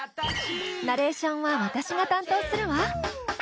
ナレーションは私が担当するわ。